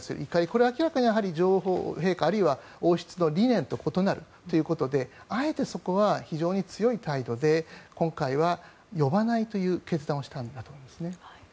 これは明らかに女王陛下あるいは王室の理念と異なるということであえてそこは非常に強い態度で今回は呼ばないという決断をしたんだと思いますね。